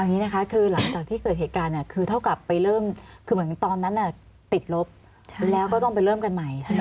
อย่างนี้นะคะคือหลังจากที่เกิดเหตุการณ์เนี่ยคือเท่ากับไปเริ่มคือเหมือนตอนนั้นติดลบแล้วก็ต้องไปเริ่มกันใหม่ใช่ไหม